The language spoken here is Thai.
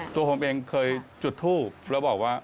ตัวผมเองเคยจุดทูปแล้วบอกว่า